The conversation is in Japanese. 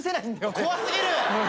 怖過ぎる。